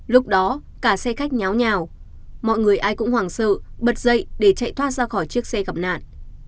lúc đó cả xe khách nháo nhào mọi người ai cũng hoảng sợ bật dậy để chạy thoát ra khỏi chiếc xe gặp nạn